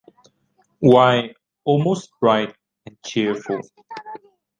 Why, almost bright and cheerful.